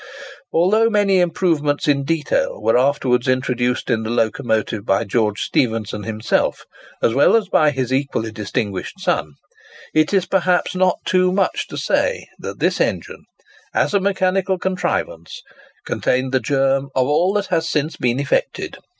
Although many improvements in detail were afterwards introduced in the locomotive by George Stephenson himself, as well as by his equally distinguished son, it is perhaps not too much to say that this engine, as a mechanical contrivance, contained the germ of all that has since been effected.